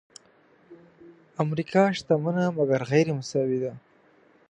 امریکا شتمنه مګر غیرمساوي ده.